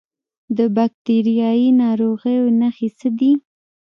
د باکتریایي ناروغیو نښې څه دي؟